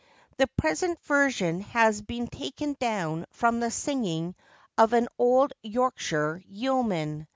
The present version has been taken down from the singing of an old Yorkshire yeoman.